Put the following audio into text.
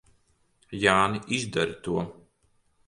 Jāni, izdari to!